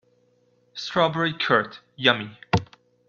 Strawberry curd, yummy!